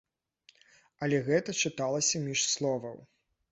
Але гэта чыталася між словаў.